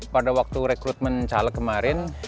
pada waktu rekrutmen caleg kemarin